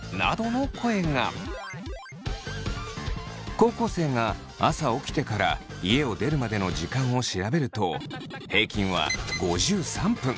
高校生が朝起きてから家を出るまでの時間を調べると平均は５３分。